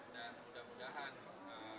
dan mudah mudahan nanti kalau